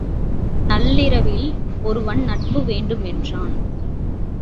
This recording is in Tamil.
நள்ளிருளில் ஒருவன் நட்பு வேண்டுமென்றான்!